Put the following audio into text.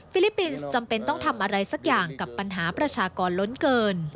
ลิปปินส์จำเป็นต้องทำอะไรสักอย่างกับปัญหาประชากรล้นเกิน